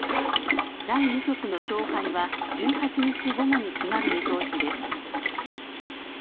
第２局の勝敗は１８日午後に決まる見通しです。